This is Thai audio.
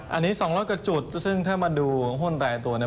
อันนี้๒๐๐กว่าจุดซึ่งถ้ามาดูหุ้นรายตัวเนี่ย